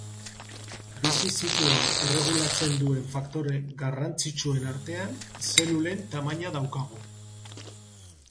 Bizi-zikloa erregulatzen duen faktore garrantzitsuen artean, zelulen tamaina daukagu.